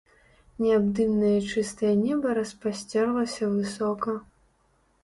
Неабдымнае і чыстае неба распасцерлася высока.